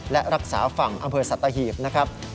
และรักษาฝั่งอำเภอสัตหีบนะครับ